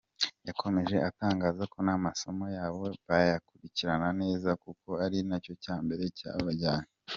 Yakomeje atangaza ko n’amasomo yabo bayakurikirana neza kuko ari nacyo cya mbere cyabajyanye.